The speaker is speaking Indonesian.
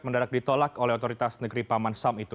mendadak ditolak oleh otoritas negeri paman sam itu